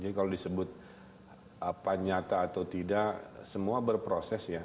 jadi kalau disebut apa nyata atau tidak semua berproses ya